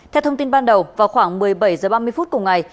theo thông tin ban đầu vào khoảng một mươi bảy h ba mươi phút cùng ngày